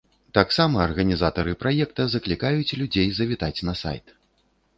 Таксама арганізатары праекта заклікаюць людзей завітаць на сайт.